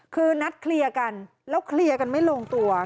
คือนัดเคลียร์กันแล้วเคลียร์กันไม่ลงตัว